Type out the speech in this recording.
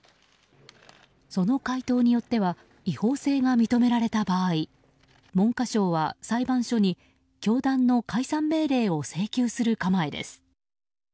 その回答によっては違法性が認められた場合文科省は裁判所に教団の解散命令を請求する構えです。